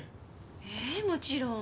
ええもちろん。